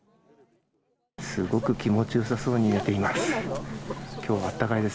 すごく気持ち良さそうに寝ています。